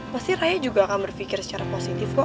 pasti raya juga akan berpikir secara positif kok